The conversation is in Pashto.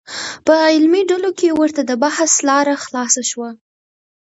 په علمي ډلو کې ورته د بحث لاره خلاصه شوه.